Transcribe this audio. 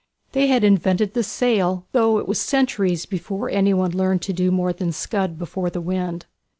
They had invented the sail, though it was centuries before any one learned to do more than scud before the wind.